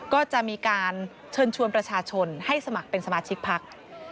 ก็จะมีการเชิญชวนประชาชนให้สมัครเป็นสมาชิกพัก